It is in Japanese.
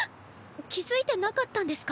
気付いてなかったんですか？